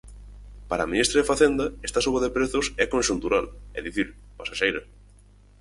Para a ministra de Facenda, esta suba de prezos é conxuntural, é dicir, pasaxeira.